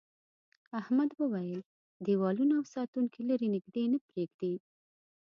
احمد وویل دیوالونه او ساتونکي لري نږدې نه پرېږدي.